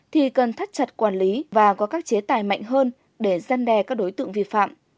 thì cần thắt chặt quản lý và có các chế tài mạnh hơn để gian đe các đối tượng vi phạm